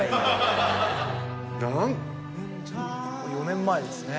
４年前ですね。